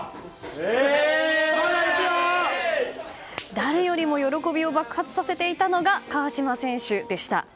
誰よりも喜びを爆発させていたのが川島選手でした。